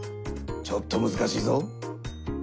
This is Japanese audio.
ちょっとむずかしいぞ。